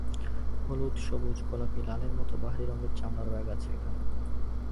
হলুদ, সবুজ, গোলাপি, লালের মতো বাহারি রঙের চামড়ার ব্যাগ আছে এখানে।